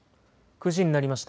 ９時になりました。